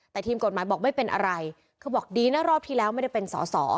แต่ทีมกฎหมายบอกไม่เป็นอะไรคือบอกดีนะรอบที่แล้วไม่ได้เป็นสอสอ